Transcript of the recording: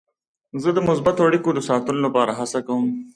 زه د مثبتو اړیکو د ساتلو لپاره هڅه کوم.